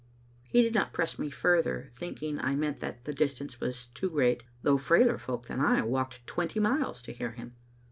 He did not press me further, thinking I meant that the distance was too great, though frailer folk than I walked twenty miles to hear him.